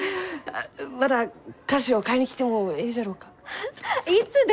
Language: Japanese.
また菓子を買いに来てもえいじゃろうか？